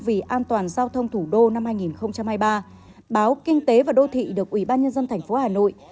vì an toàn giao thông thủ đô năm hai nghìn hai mươi ba báo kinh tế và đô thị được ubnd tp hà nội